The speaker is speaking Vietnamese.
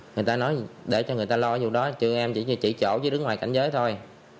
người ta nói để cho người ta lo vụ đó chứ em chỉ chỉ chỗ chứ đứng ngoài cảnh giới thôi